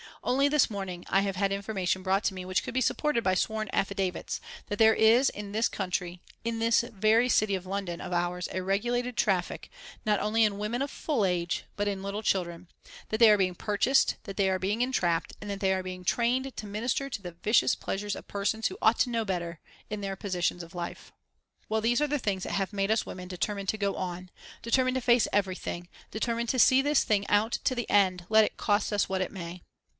Only this morning I have had information brought to me which could be supported by sworn affidavits, that there is in this country, in this very city of London of ours, a regulated traffic, not only in women of full age, but in little children; that they are being purchased, that they are being entrapped, and that they are being trained to minister to the vicious pleasures of persons who ought to know better in their positions of life. "Well, these are the things that have made us women determined to go on, determined to face everything, determined to see this thing out to the end, let it cost us what it may.